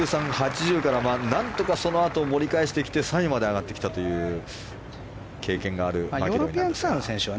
６３、８０から何とかそのあと盛り返してきて３位まで上がってきたという経験があるマキロイなんですが。